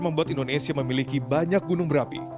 membuat indonesia memiliki banyak gunung berapi